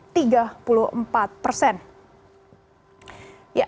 ini juga sangat tinggi